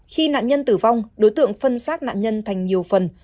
khi nạn nhân tử vong đối tượng phân xác nạn nhân thành nhiều phần